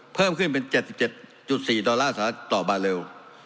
เพิ่มขึ้นเป็น๗๗๔ดอลลาร์ต่อบาร์เร็ว